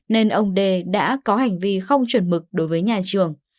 nên ông đê đã có hành vi không chuẩn mực đối với nhà trường